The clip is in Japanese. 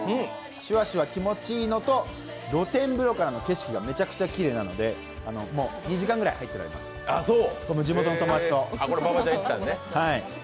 シュワシュワ気持ちいいのと、露天風呂からの景色がめちゃくちゃきれいなので、２時間ぐらい入ってられます、地元の友達と。